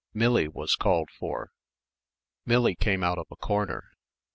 "Millie" was called for. Millie came out of a corner.